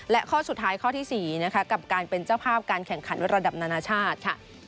และข้อสุดท้ายข้อที่๔นะคะกับการเป็นเจ้าภาพการแข่งขันระดับนานาชาติค่ะ